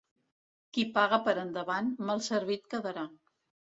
Qui paga per endavant, mal servit quedarà.